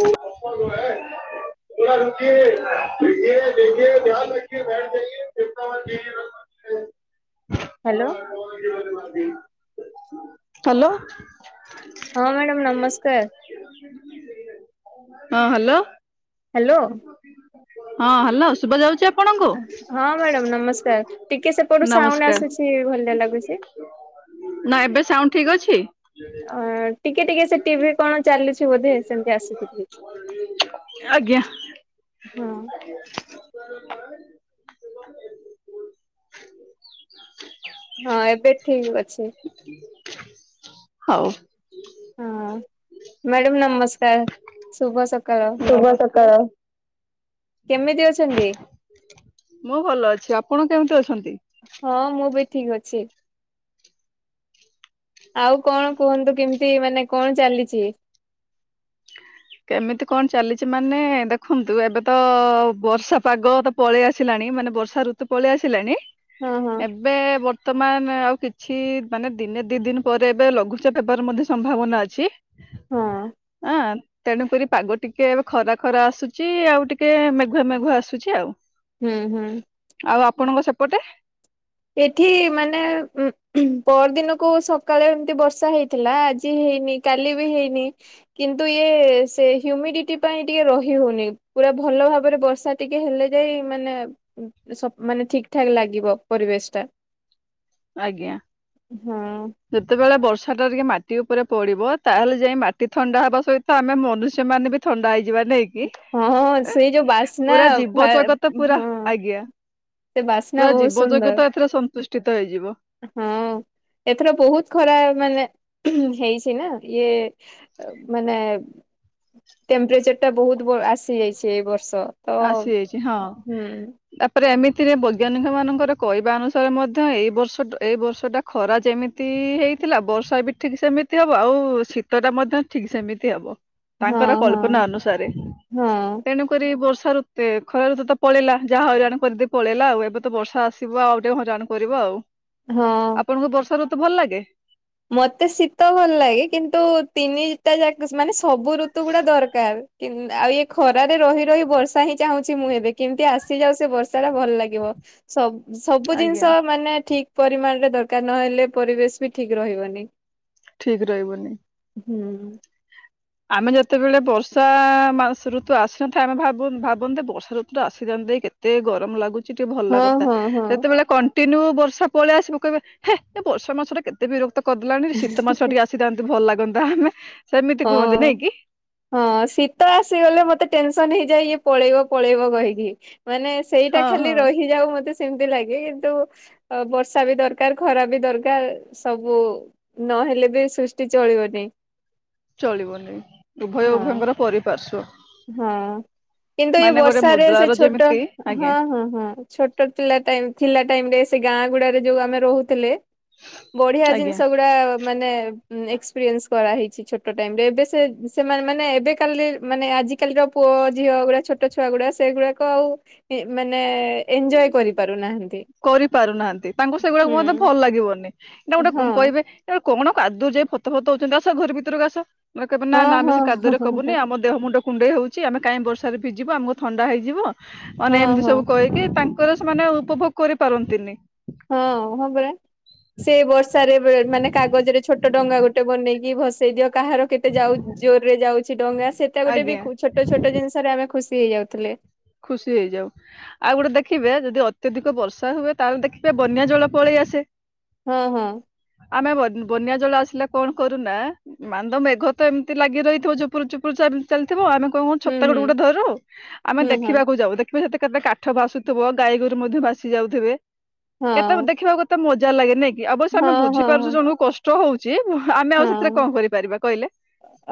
[inaudible] ପୁରା ରୁକିୟେ ଦେଖିଏ ଦେଖିଏ ଧ୍ୟାନ ରଖିଏ ବେଠ ଯାଇଏ ହ୍ୟାଲୋ [unintelligible] ହଲୋ। ହଁ ମ୍ୟାଡ଼ାମ ନମସ୍କାର! [inaudible] ହଁ ହ୍ୟାଲୋ। ହ୍ୟାଲୋ। ହଁ ହେଲୋ ଶୁଭା ଯାଉଛି ଆ ହଁ ମ୍ୟାଡ଼ାମ ନମସ୍କାର। ଟିକେ ସେପଟୁ ସାଉଣ୍ଡ ନମସ୍କାର ଆସୁଛି ଭଲିଆ ଲାଗୁଛି। ନା ଏବେ ସାଉଣ୍ଡ ଠିକ୍ ଅଛି। ଆଁ ଟିକେ ଟିକେ ସେ ଟିଭି କଣ ଚାଲୁଛି ବୋଧେ ସେମିତି ଆସୁଛି କିଛି କିଛି। ଆଜ୍ଞା। ହଁ [inaudible] [inaudible] ହଁ ଏବେ ଠିକ ଅଛି। [inaudible] ହଉ। ହଁ ମ୍ୟାଡ଼ାମ ନମସ୍କାର, ଶୁଭ ସକାଳ। ଶୁଭ ସକାଳ। କେମିତି ଅଛନ୍ତି? ମୁଁ ଭଲ ଅଛି। ଆପଣ କେମିତି ଅଛନ୍ତି? ହଁ ମୁଁ ବି ଠିକ୍ ଅଛି। ଆଉ କଣ କୁହନ୍ତୁ କେମିତି ମାନେ କଣ ଚାଲିଛି? କେମିତି କଣ ଚାଲିଛି ମାନେ ଦେଖନ୍ତୁ, ଏବେ ତ ବର୍ଷା ପାଗ ତ ପଳେଇ ଆସିଲାଣି ମାନେ ବର୍ଷା ଋତୁ ପଳେଇ ଆସିଲାଣି ହଁ ହଁ। ଏବେ ବର୍ତ୍ତମାନ ଆଉ କିଛି ମାନେ ଦିନେ ଦି ଦିନ ପରେ ଏବେ ଲଘୁଚାପ ହେବାର ମଧ୍ୟ ସମ୍ଭାବନା ଅଛି। ହଁ ଆଁ। ତେଣୁକରି ପାଗ ଟିକେ ଏବେ ଖରା ଖରା ଆସୁଛି ଆଉ ଟିକେ ମେଘୁଆ ମେଘୁଆ ଆସୁଛି ଆଉ। ହୁଁ ହୁଁ। ଆଉ ଆପଣଙ୍କ ସେପଟେ? ଏଠି ମାନେ ଉଁ ହୁଁ ପହର ଦିନକୁ ସକାଳେ ଏମିତି ବର୍ଷା ହେଇଥିଲା, ଆଜି ହେଇନି। କାଲି ବି ହେଇନି, କିନ୍ତୁ ଇଏ ସେ ହ୍ୟୁମିଡିଟି ପାଇଁ ଟିକେ ରହି ହଉନି। ପୁରା ଭଲ ଭାବରେ ବର୍ଷା ଟିକେ ହେଲେ ଯାଇ ମାନେ ସ ମାନେ ଠିକ ଠାକ୍ ଲାଗିବ। ପରିବେଶ ଟା ଆଜ୍ଞା। ହଁ। ଯେତେବେଳେ ବର୍ଷା ଟା ଟିକେ ମାଟି ଉପରେ ପଡିବ, ତାହେଲେ ଯାଇ ମାଟି ଥଣ୍ଡା ହବା ସହିତ ଆମେ ମନୁଷ୍ୟ ମାନେ ବି ଥଣ୍ଡା ହେଇଯିବା ନେଇକି ହଁ ସେଇ ଯୋଉ ବାସ୍ନା ପୁରା ଫା ଜୀବ ଜଗତ ପୁରା ହଁ ଆଜ୍ଞା। ସେ ବାସ୍ନା ପୁରା ବହୁତ ଜୀବ ସୁନ୍ଦର। ଜଗତ ଏଥରେ ସନ୍ତୁଷ୍ଟିତ ହେଇଯିବ। ହଁ ଏଥର ବହୁତ ଖରା ମାନେ [inaudible] ହେଇଛି ନା ଇଏ ମାନେ ଟେମ୍ପରେଚର୍ ଟା ବହୁତ ବ ଆସ ହେଯାଇଛି ଏଇ ବର୍ଷ ତ ଆସିଯାଇଛି ହଁ। ହୁଁ ତାପରେ ଏମିତିରେ ବୈଜ୍ଞାନିକ ମାନଙ୍କର କହିବା ଅନୁସାରେ ମଧ୍ୟ ଏଇ ବର୍ଷ ଟା ଏଇ ବର୍ଷ ଟା ଖରା ଯେମିତି ହେଇଥିଲା ବର୍ଷା ବି ଠିକ ସେମିତି ହବ ଆଉ ଶୀତ ଟା ମଧ୍ୟ ଠିକ ସେମିତି ହବ। ହଁ ତାଙ୍କର ହଁ କଳ୍ପନା ଅନୁସାରେ। ହଁ ତେଣୁକରି ବର୍ଷାଋତୁ ଖରା ଋତୁ ତ ପଳେଇଲା ଯାହା ହଇରାଣ କରିଦେଇ ପଳେଇଲା ଆଉ ଏବେ ତ ବର୍ଷା ଆସିବ ଆଉ ଟିକେ ହଇରାଣ। କରିବ ଆଉ। ହଁ। ଆପଣଙ୍କୁ ବର୍ଷା ଋତୁ ଭଲ ଲାଗେ? ମତେ ଶୀତ ଭଲ ଲାଗେ କିନ୍ତୁ ତିନିଟା ଯାକ ମାନେ ସବୁ ଋତୁ ଗୁଡା ଦରକାର। ଆଉ ଖରାରେ ରହି ରହି ବର୍ଷା ହିଁ ଚାହୁଁଛି ମୁଁ ଏବେ କେମିତି ଆସିଯାଉ ସେ ବର୍ଷା ଟା ଭଲ ଲାଗିବ। ସବ ସବୁ ଆଜ୍ଞା ଜିନିଷ ମାନେ ଠିକ୍ ପରିମାଣରେ ଦରକାର ନହେଲେ ପରିବେଶ ବି ଠିକ୍ ରହିବନି। ଠିକ ରହିବନି। ହୁଁ। ଆମେ ଯେତେବେଳେ ବର୍ଷା ମାସ ଋତୁ ଆସିନଥାଏ ଆମେ ଭାବନ୍ତେ ବର୍ଷା ଋତୁ ଆସିଯାନ୍ତା କି। କେତେ ଗରମ ଲାଗୁଛି। ସେ ଟିକେ ଭଲ ହଁ ଲାଗନ୍ତା ହଁ ହଁ ଯେତେବେଳେ କଣ୍ଟିନ୍ୟୁ ବର୍ଷା ପଳେଇ ଆସିବ ହେ ବର୍ଷା ମାସଟା କେତେ ଏତେ ବିରକ୍ତ କରିଦେଲାଣି ଶୀତ ମାସ ଟିକେ ଆସିଯାନ୍ତା ଭଲ ଲାଗନ୍ତା ଆମେ ସେମିତି କୁହନ୍ତି ହଁ। ନାଇଁ କି ହଁ ଶୀତ ଆସିଗଲେ ମତେ ଟେନସନ ହେଇଯାଏ ଇଏ ପଳେଇବ ପଳେଇବ କହିକି ମାନେ ସେଇଟା ହଁ ଖାଲି ହଁ ରହିଯାଉ ମତେ ସେମିତି ଲାଗେ କିନ୍ତୁ ଅ ବର୍ଷା ବି ଦରକାର ଖରା ବି ଦରକାର ସବୁ ନହେଲେ ବି ସୃଷ୍ଟି ଚଳିବନି। ଚଳିବନି ଉଭୟ ହଁ ଉଭୟଙ୍କର ପରିପାର୍ଶ୍ଵ ହଁ କିନ୍ତୁ ଏ ମାନେ ଗୋଟେ ବର୍ଷାରେ ସେ ମୁଦ୍ରାର ଛୋଟ ଯେମିତି ଆଜ୍ଞା ହଁ ହଁ ହଁ। ଛୋଟ ଥିଲା ଟାଇମ ଥିଲା ଟାଇମରେ ସେ ଗାଁ ଗୁଡାରେ ଯୋଉ ଆମେ ରହୁଥିଲେ। ବଢିଆ ଆଜ୍ଞା ଜିନିଷ ଗୁଡା ମାନେ ଏକ୍ସପିରିଏନସ କରାହେଇଛି ଛୋଟ ଟାଇମ ରେ ଏବେ ସେ ସେମାନେ ମାନେ ଏବେ କାଲି ମାନେ ଆଜି କାଲିର ପୁଅ ଝିଅ ଗୁଡା ଛୋଟ ଛୁଆ ଗୁଡା ସେଗୁଡାକ ଆଉ ମାନେ ଏଞୟ କରିପାରୁନାହାନ୍ତି। କରିପାରୁନାହାନ୍ତି ତାଙ୍କୁ ସେଗୁଡାକୁ ହୁଁ ବୋଧେ ଭଲ ଲାଗିବନି ନାଇ ହଁ ଗୋଟେ କହିବେ ଏ କଣ କାଦୁଅ ଯାଇଏ ଫଥ ଫତ ହଉଛନ୍ତି ଆସ ଘର ଭିତରକୁ ଆସ ମେ କହିବ ନା ହଁ ନା ଆମେ ହଁ ସେ ହଁ କାଦୁରେ କବୁନି ଆମ ଦେହ ମୁଣ୍ଡ କୁଣ୍ଡେଇ ହେଉଛି ଆମେ କାହିଁ ବର୍ଷାରେ ଭିଯିବୁ ଆମକୁ ଥଣ୍ଡା ହେଇଯିବ ହଁ ମାନେ ଏମିତି ହଁ ସବୁ କହିକି ତା ତାହେଲେ ସେମାନେ ଉପଭୋଗ କରିପାରନ୍ତିନି। ହଁ ହଁ ପରା ସେ ବର୍ଷାରେ ମାନେ କାଗଜରେ ଛୋଟ ଡଙ୍ଗା ଗୋଟେ ବନେଇକି କି ଭସେଇ ଦିଅ କାହାର କେତେ ଯାଉ ଜୋରରେ ଯାଉଛି ଡଙ୍ଗା ସେଟା ଗୋଟେ ଆଜ୍ଞା ଖୁ ଛ ଛୋଟ ଛୋଟ ଜିନିଷରେ ଆମେ ଖୁସି ହେଇଯାଉଥିଲେ। ଖୁସି ହେଇଯାଉ। ଆଉ ଗୋଟେ ଦେଖିବେ ଯଦି ଅତ୍ୟଧିକ ବର୍ଷା ହୁଏ ତାହେଲେ ଦେଖିବେ ବନ୍ୟା ଜଳ ପଳେଇ ଆସେ ହଁ ହଁ। ଆମେ ବନ୍ୟା ଜଳ ଆସିଲେ କଣ କରୁନା ମାନ୍ଦ ମେଘ ତ ଏମିତି ଲାଗି ରହିଥିବ ଚୁପୁରୁ ଚୁପୁରୁ ଚାଲିଥିବ ଆମେ କହିବୁ ହୁଁ ଛତା ଗୋଟେ ହୁଁ ଗୋଟେ ଧରୁ ଆମେ ହୁଁ ଦେଖ ହଁ ଦେଖିବାକୁ ଯାଉ ଦେଖିବ ସେତେ କେତେ କାଠ ଭସୁଥିବ ଗାଈଗୋରୁ ମଧ୍ୟ ଭାସି ଯାଉଥିବେ ହଁ କେତେ ଦେଖିବାକୁ ମଜା ଲାଗେ ନାଇଁ କି ଅବଶ୍ୟ ଆମେ ହଁ ହଁ ବୁଝିପାରୁଛୁ ହଁ। ଜଣକୁ କଷ୍ଟ ହଉଛି ଆମେ ଆଉ ସେଥିରେ ହଁ କଣ କରିପାରିବା କହିଲେ?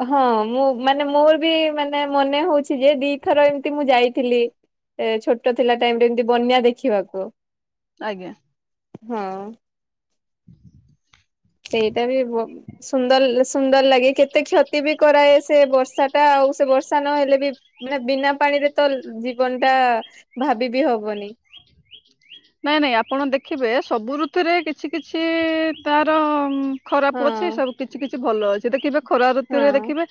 ହଁ ମୁଁ ମାନେ ମୋର ବି ମାନେ ମନେ ହଉଛି ଯେ ଦିଥର ଏମତି ମୁଁ ଯାଇଥିଲି। ଏ ଛୋଟ ଥିଲା ଟାଇମ ରେ ଏମିତି ବନ୍ୟା ଦେଖିବାକୁ। ଆଜ୍ଞା। ହଁ। [inaudible] ସେଇଟା ବି ବ ସୁନ୍ଦର ସୁନ୍ଦର ଲାଗେ କେତେ କ୍ଷତି ବି କରାଏ ସେ ବର୍ଷା ଟା ଆଉ ସେ ବର୍ଷା ନହେଲେ ବି ମାନେ ବିନା ପାଣିରେ ତ ଜୀବନ ଟା ଭାବିିବି ହବନି। ନାଇଁ ନାଇଁ ଆପଣ ଦେଖିବେ ସବୁ ଋତୁରେ କିଛି କିଛି ତାର ହଁ ଖରାପ ଅଛି ସବୁ କିଛି କିଛି ଭଲ ଅଛି ଦେଖିବେ ଖରା ଋତୁରେ ହଁ। ଦେଖିବେ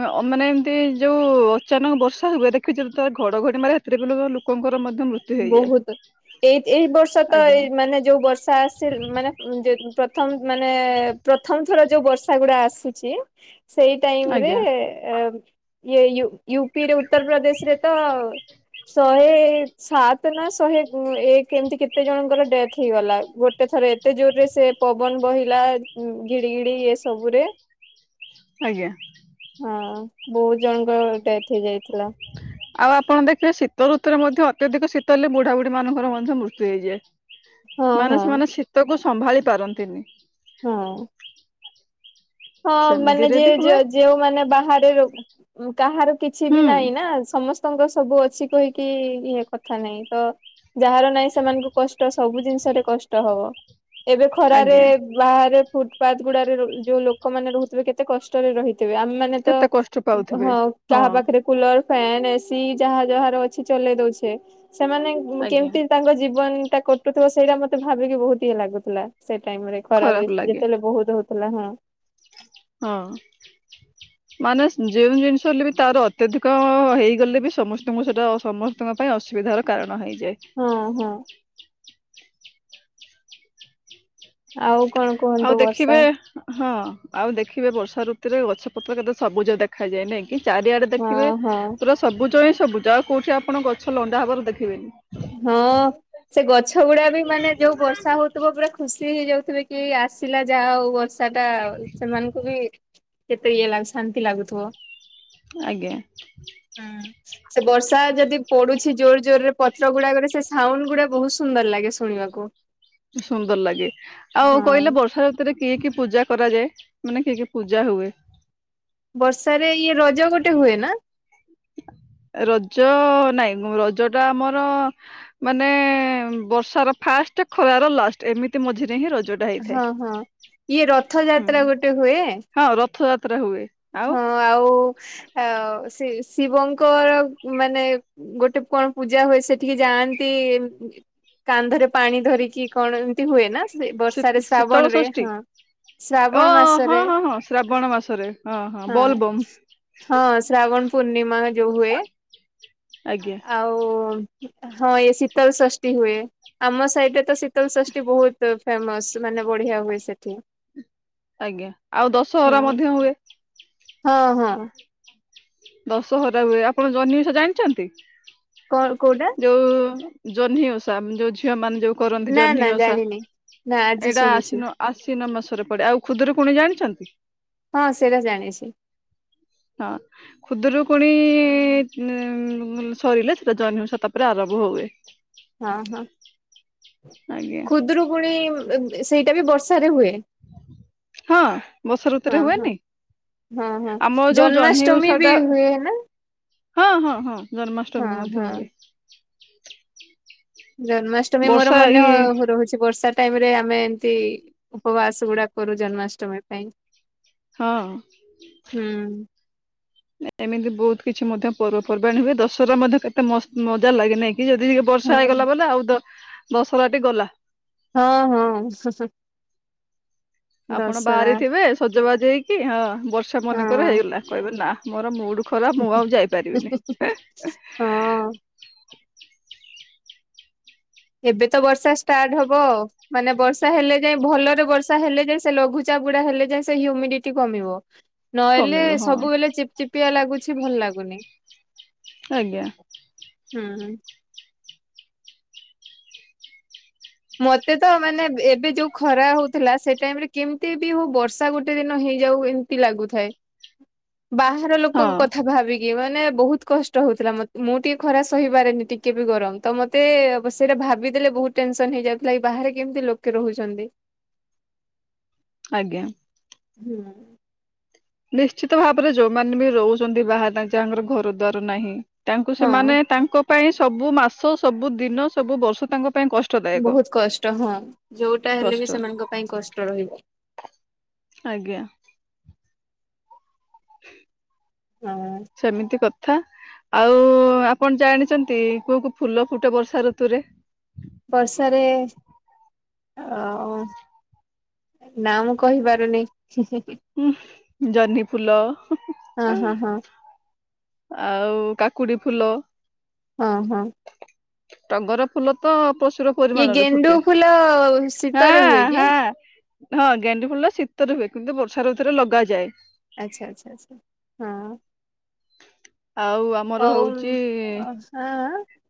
ମ ମାନେ ଏମିତି ଯୋଉ ଅଚାନକ ବର୍ଷା ହୁଏ ଦେଖୁଛ ତ ଘଡଘଡି ମାରେ ସେଥିରେ ବି ଲୋକଙ୍କର ମଧ୍ୟ ମୃତ୍ୟୁ ହେଇଯାଏ ବହୁତ ଏଇ ଏଇ ବର୍ଷ ତ ଆଜ୍ଞା ଏଇ ମାନେ ଯୋଉ ବର୍ଷ ଆସ ମାନେ ଯ ପ୍ରଥମ ମାନେ ପ୍ରଥମ ଥର ଯୋଉ ବର୍ଷା ଗୁଡା ଆସୁଛି। ସେଇ ଟାଇମ ରେ ଆଜ୍ଞା ଏ ୟୁ ୟୁପିରେ ଉତ୍ତରପ୍ରଦେଶରେ ତ ଶହେ ସାତ ନା ଶହେ ଏକ ଏମତି କେତେ ଜଣଙ୍କର ଡେଥ ହେଇଗଲା ଗୋଟେ ଥରେ ଏତେ ଜୋରରେ ସେ ପବନ ବହିଲା ଘିଡିଘିଡି ଏ ସବୁରେ ଆଜ୍ଞା। ହଁ ବହୁତ ଜଣଙ୍କ ଡେଥ ହେଇଯାଇଥିଲା। ଆଉ ଆପଣ ଦେଖିବେ ଶୀତ ଋତୁରେ ମଧ୍ୟ ଅତ୍ୟଧିକ ଶୀତ ହେଲେ ବୁଢା ବୁଢୀ ମାନଙ୍କର ମଧ୍ୟ ମୃତ୍ୟୁ ହଁ ହେଇଯାଏ। ମାନେ ହଁ ସେମାନେ ଶୀତକୁ ସମ୍ଭାଳି ପାରନ୍ତିନି। ହଁ। ହଁ ମାନେ ସେମିତିରେ ଯିଏ ବି ଯ ହୁଏ ଯେଉମାନେ ବାହାରେ ର କାହାର କିଛି ହୁଁ ବି ନାହିଁ ନା ସମସ୍ତ ତାଙ୍କର ସବୁ ଅଛି କହିକି ଇଏ କଥା ନାହିଁ ତ ଯାହାର ନାହିଁ ସେମାନଙ୍କୁ କଷ୍ଟ ସବୁ ଜିନିଷରେ କଷ୍ଟ ହବ। ଏବେ ଖରାରେ ଆଜ୍ଞା ବାହାରେ ଫୁଟପାଥ ଗୁଡାରେ ଯୋଉ ଲୋକ ଲୋକମାନେ ରହୁଥିବେ କେତେ କଷ୍ଟରେ ରହିଥିବେ। ଆମେମାନେ ତ କେତେ କଷ୍ଟ ପାଉଥିବେ ହଁ କାହା ପାଖରେ କୁଲର ଫ୍ୟାନ ଏସିି ଯାହା ଯାହାର ଅଛି ଚଲେଇ ଦଉଛେ ସେମାନେ ଆଜ୍ଞା କେମିତି ତାଙ୍କ ଜୀବନ ଟା କଟୁଥିବ ସେଇଟା ମତେ ଭାବିକି ବହୁତ ଇଏ ଲାଗୁଥିଲା ସେଇ ଟାଇମ ରେ। ଖରାପ ଖରାରେ ଲାଗେ ଯେତେବେଳେ ବହୁତ ହଉଥିଲା ହଁ। ହଁ। ମାନେ ଯେଉଁ ଜିନିଷ ହେଲେ ବି ତାର ଅତ୍ୟାଧିକ ହେଇଗଲେ ବି ସମସ୍ତଙ୍କୁ ସେଇଟା ସମ ସ୍ତଙ୍କ ପାଇଁ ଅସୁବିଧାର କାରଣ ହୋଇଯାଏ। ହଁ ହଁ। ଆଉ କଣ କୁହ? ଆଉ ଦେଖିବେ ହଁ ଆଉ ଦେଖିବେ ବର୍ଷା ଋତୁରେ ଗଛ ପତ୍ର କେତେ ସବୁଜ ଦେଖାଯାଏ ନାଇଁ। କି ଚାରିଆଡେ ଦେଖିବେ ହଁ ହଁ ପୁରା ସବୁଜ ହିଁ ସବୁଜ ଆଉ କୋଉଠି ଆପଣ ଗଛ ଲଣ୍ଡା ହବାର ଦେଖିବେନି। ହଁ। ସେ ଗଛ ଗୁଡା ବି ମାନେ ଯୋଉ ବର୍ଷା ହଉଥିବ ପୁରା ଖୁସି ହେଇଯାଉଥିବେ କି ଆସିଲା ଯାହୋଉ ବର୍ଷା ସାଟା ସେମାନଙ୍କୁ ବି କେତେ ଇଏ ଲା ଶାନ୍ତି ଲାଗୁଥିବ। ଆଜ୍ଞା। ହୁଁ ସେ ବର୍ଷା ଯଦି ପଡୁଛି ଜୋର ଜୋର ରେ ପତ୍ର ଗୁଡାକରେ ସେ ସାଉଣ୍ଡ ଗୁଡା ବହୁତ ସୁନ୍ଦର ଲାଗେ ଶୁଣିବାକୁ। ସୁନ୍ଦର ଲାଗେ ଆଉ କହିଲେ ହଁ ବର୍ଷାଋତୁ ସେଥିରେ କି କି ପୂଜା କରାଯାଏ ମାନେ କି କି ପୂଜା ହୁଏ? ବର୍ଷାରେ ଇଏ ରଜ ଗୋଟେ ହୁଏ ନା? ରଜ ନାଇଁ ରଜଟା ଆମର ମାନେ ବର୍ଷାର ଫାଷ୍ଟ ଖରାର ଲାଷ୍ଟ ଏମିତି ମଝିରେ ହିଁ ରଜ। ହଁ ହଁ ଇଏ ହୁଁ ରଥଯାତ୍ରା ଗୋଟେ ହୁଏ। ହଁ ରଥଯାତ୍ରା ହୁଏ। ହଁ ଆଉ ଆ ଶି ଶିବଙ୍କର ମାନେ ଗୋଟେ କଣ ପୂଜା ହୁଏ ସେଠିକି ଯାଆନ୍ତି ଏମ୍ କାନ୍ଧରେ ପାଣି ଧରିକି କଣ ଏମିତି ହୁଏ ନା? ହୁଏ ବର୍ଷାରେ ଶୀ- ଶୀତଳ ଶ୍ରାବଣ ରେ ଷଷ୍ଠୀ ହଁ ଓ ଶ୍ରାବଣ ହଁ ମାସରେ ହଁ ହଁ ଶ୍ରାବଣ ମାସରେ। ହଁ ହଁ ଶ୍ରାବଣ ପୂର୍ଣ୍ଣିମା ଯୋଉ ହୁଏ। ଆଜ୍ଞା ଆଉ ହଁ ଏଇ ଶୀତଳ ଷଷ୍ଠୀ ହୁଏ। ଆମ ସାଇଡ଼ରେ ରେ ତ ଶୀତଲଷଷ୍ଠୀ ବହୁତ୍ ଫେମସ୍ ମାନେ ବଢିଆ ହୁଏ ସେଠି। ଆଜ୍ଞା। ଆଉ ଦଶହରା ହଁ। ମଧ୍ୟ ହୁଏ। ହଁ ହଁ। ଦଶହରା ହୁଏ। ଆପଣ ଜହ୍ନି ଓଷା ଜାଣିଛନ୍ତି କଣ କୋଉଟା ଯୋଉ ଜହ୍ନି ଓଷା ଯୋଉ ଝିଅ ମାନେ ଯୋଉ କରନ୍ତି ନା ନା ଜହ୍ନି ଓଷା ଜାଣିନି। ନା ଆଜି ଏଇଟା ଶୁଣୁଛି ଆଶ୍ଵିନ ଆଶ୍ଵିନ ମାସରେ ପଡେ। ଆଉ ଖୁଦୁରୁକୁଣୀ ଜାଣିଛନ୍ତି? ହଁ ସେଇଟା ଜାଣିଛି। ହଁ। ଖୁଦୁରୁକୁୁଣୀ ଉଁ ସରିଲେ ସେଟା ଜହ୍ନି ଓଷା ତାପରେ ଆରମ୍ଭ ହୁଏ। ହଁ ହଁ ଆଜ୍ଞା ଖୁଦୁରୁକୁଣୀ ସେଇଟା ବି ବର୍ଷାରେ ହୁଏ। ହଁ ବର୍ଷା ହଁ ଋତୁରେ ହଁ ହୁଏନି? ହଁ ହଁ ଆମର ଯୋଉ ଜହ୍ନି ଜନ୍ମାଷ୍ଟମୀ ଓଷା ବି ଟା ହୁଏ ନା? ହଁ ହଁ ହଁ ଜନ୍ମାଷ୍ଟମୀ ହଁ ମଧ୍ୟ ହଁ। ହୁଏ। ଜନ୍ମାଷ୍ଟମୀ ମୋର ବର୍ଷା ମନେ ଏଇ ହ ରହୁଛି ବର୍ଷା ଟାଇମ୍ ରେ ଆମେ ଏମତି ଉପବାସ ଗୁଡା କରୁ ଜନ୍ମାଷ୍ଟମୀ ପାଇଁ ହୁଁ ହଁ। ଏମିତି ବହୁତ୍ କିଛି ମଧ୍ୟ ପର୍ବପର୍ବାଣି ହୁଏ। ଦଶହରା ମଧ୍ୟ କେତେ ମସ୍ତ ମଜା ଲାଗେ ନାଇକି ଯଦି ଟିକେ ହଁ ବର୍ଷା ହେଇଗଲା ବୋଲେ ଆଉ ଦ-ଦଶହରାଟି ଗଲା। ହଁ ହଁ [unintelligible] ଆପଣ ଦଶହରା ବାହାରେଥିବେ ସଜବାଜ ହେଇକି ହଁ ବର୍ଷ୍ ର୍ଷା ମନେକର ହଁ। ହେଇଗଲା କହିବେ ନା ମୋର ମୁଡ୍ ଖରାପ ମୁଁ ଆଉ ଯାଇପାରିବିନି। ହଁ। ଏବେ ତ ବର୍ଷା ଷ୍ଟାର୍ଟ୍ ହବ ଆଉ। ମାନେ ବର୍ଷା ହେଲେ ଯାଏଁ ଭଲରେ ବର୍ଷା ହେଲେ ଯାଏଁ ସେ ଲଘୁଚାପ ଗୁଡା ହେଲେ ଯାଏଁ ସେ ହ୍ୟୁମିଡିଟି କମିବ। ନହେଲେ କମିବ ହଁ ସବୁବେଳେ ଚିପଚିପିଆ ଲାଗୁଛି ଭଲ ଲାଗୁନି। ଆଜ୍ଞା। ହୁଁ। ମତେ ତ ମାନେ ଏବେ ଯୋଉ ଖରା ହଉଥିଲା ସେ ଟାଇମରେ କେମିତି ବି ହଉ ବର୍ଷା ଗୋଟେ ଦିନ ହେଇଯାଉ ଏମ୍ ତି ଲାଗୁଥାଏ। ବାହାର ହଁ ଲୋକଙ୍କ କଥା ଭାବି ଇଏ ମାନେ ବହୁତ୍ କଷ୍ଟ ହଉଥିଲା ମତେ ମୁଁ ଟିକେ ଖରା ସହିପାରେନି ଟିକେ ବି ଗରମ ତ ମତ୍ ତେ ବ ସେଇଟା ଭାବି ଦେଲେ ବହୁତ୍ ଟେନ୍ସ୍ ତନ୍ ହେଇଯାଉଥିଲା କି ବାହାରେ କେମିତି ଲୋକେ ରହୁଛନ୍ତି। ଆଜ୍ଞା। ହୁଁ। ନିଶ୍ଚିତ ଭାବରେ ଯୋଉମାନେ ବି ରହୁଛନ୍ତି ବାହାରେ ଯାହାଙ୍କର ଘର ଦ୍ଵାର ନାହିଁ ତାଙ୍କୁ ହଁ ସେମାନେ ତାଙ୍କ ପାଇଁ ସବୁ ମାସ ସବୁ ଦିନ ସବୁ ବର୍ଷ ତାଙ୍କ ପାଇଁ କଷ୍ଟ। ବହୁତ କଷ୍ଟ ହଁ ଯୋଉଟା ହେଲେ କଷ୍ଟ ବି ସେମାନଙ୍କ ପାଇଁ କଷ୍ଟ ରହିବ। ଆଜ୍ଞା। ହଁ ସେମିତି କଥ୍ ଥା ଆଉ ଆପଣ ଜାଣିଛନ୍ତି କୋଉ କୋଉ ଫୁଲ ଫୁଟେ ବର୍ଷା ଋତୁରେ? ବର୍ଷାରେ ଆଉ ନା ମୁଁ କହିପାରୁନି। ହଁ ଜହ୍ନି ଫୁଲ ହଁ ହଁ ହଁ। ଆଉ କାକୁଡି ଫୁଲ ହଁ ହଁ। ଟଗର ଫୁଲ ତ ପ୍ରଶୁର ଇଏ ପରିମାଣରେ ଗେଣ୍ଡୁ ଫୁଟେ, ଫୁଲ ଶୀତରେ ହାଁ ହୁଏ କି? ହାଁ। ହଁ ଗେଣ୍ଡୁ ଫୁଲ ଶୀତରେ ହୁଏ କିନ୍ତୁ ବର୍ଷା ଋତୁରେ ଲଗାଯାଏ। ଆଚ୍ଛା ଆଚ୍ଛା ଆଛା, ହଁ। ଆଉ ଆମର ହଉ ହଉଛି [unintelligible]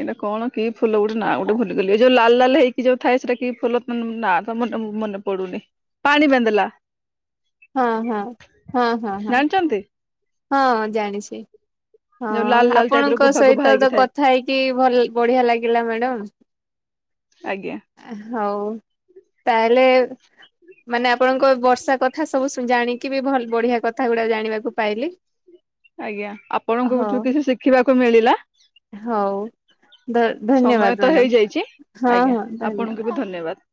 ଏଇଟା କଣ କି ଫୁଲ ଗୋଟେ ନା ଗୋଟେ ଭୁଲିଗଲି, ଯୋଉ ଲାଲ ଲାଲ ହେଇି ଯୋଉ ଥାଏ, ସେଇଟା କି ଫଲ ତ ନାଁ [unintelligible] ପଡୁନି, ପାଣି ବନ୍ଦେଲା ହଁ ହଁ, ହଁ ହଁ ହଁ, ଜାଣିଛନ୍ତି ହଁ ଜାଣିଛି। ଯୋଉ ଲାଲ ହଁ ଲାଲ ଟାଇପ ର ଆପଣଙ୍କ ଗୁଭା ଗୁଭା ସହିତ ହେଇକି ତ ଥାଏ କଥା ହେଇକି ଭଲ ବଢିଆ ଲାଗିଲା ମ୍ୟାଡାମ। ଆଜ୍ଞା। ହଉ, ତାହେଲେ ମାନେ ଆପଣଙ୍କ ବର୍ଷା କଥା ସବୁଶୁ ଜାଣିକି ବି ଭଲ, ବଢିଆ କଥା ଗୁଡା ଜାଣିବାକୁ ପାଇଲି। ଆଜ୍ଞା, ହଉ ଆପଣଙ୍କଠୁ କିଛି ଶିଖିବାକୁ ମିଳିଲା। ହଉ ଧ ସମୟ ଧନ୍ୟବାଦ ତ ମ୍ୟାଡ଼ାମ, ହେଇଯାଇଛି ହଁ ଆଜ୍ଞା ହଁ। ଧନ୍ୟବାଦ। ଆପଣଙ୍କୁ ବି ଧନ୍ୟବାଦ।